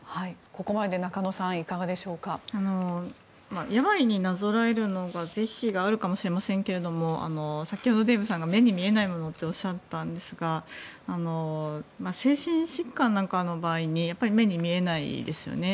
ここまでで中野さんいかがでしょうか。病になぞらえるのは是非があるかもしれませんが先ほど、デーブさんが目に見えないものとおっしゃったんですが精神疾患なんかの場合に目に見えないですよね。